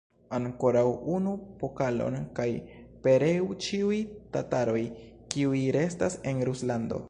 Ankoraŭ unu pokalon, kaj pereu ĉiuj tataroj, kiuj restas en Ruslando!